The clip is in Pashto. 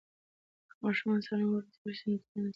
که ماشومان سالم وروزل سي نو ټولنه سمیږي.